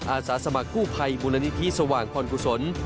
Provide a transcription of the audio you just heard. อาสาสมกุภัยมูลนิธิสว่างคลอนกุศล